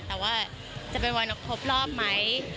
แต่ว่าจะเป็นวันครบรอบไหม